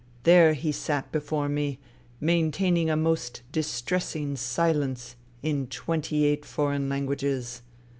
There he sat before me, maintaining a most distressing silence in twenty eight foreign languages.